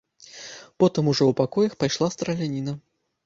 Потым ужо ў пакоях пайшла страляніна.